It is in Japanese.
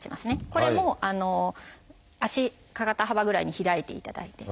これも足肩幅ぐらいに開いていただいて。